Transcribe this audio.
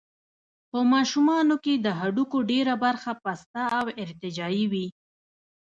په ماشومانو کې د هډوکو ډېره برخه پسته او ارتجاعي وي.